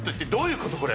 これ。